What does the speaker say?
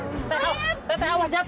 teteh awah jatuh teteh awah jatuh